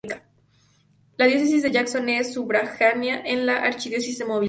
La Diócesis de Jackson es sufragánea de la Arquidiócesis de Mobile.